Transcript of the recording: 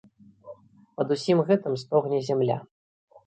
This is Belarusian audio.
Пад усім гэтым стогне зямля.